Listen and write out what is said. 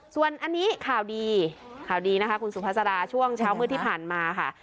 ส่วนอันนี้ข่าวดีข่าวดีนะคะคุณสุภาษาช่วงเช้ามืดที่ผ่านมาค่ะ